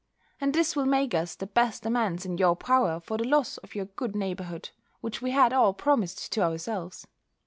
And this will make us the best amends in your power for the loss of your good neighbourhood, which we had all promised to ourselves.